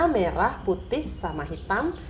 merah putih sama hitam